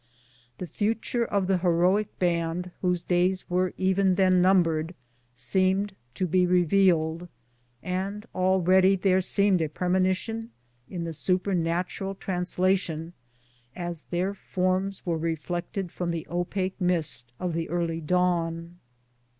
The future of t^ie heroic band, whose days were even 264 BOOTS AND SADDLES. then numbered, seemed to be revealed, and already there seemed a premonition in the supernatural translation as their forms were reflected from the opaque mist of the early dawn.